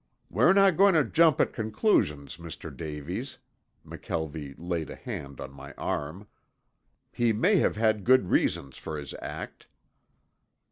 "We're not going to jump at conclusions, Mr. Davies." McKelvie laid a hand on my arm. "He may have had good reasons for his act."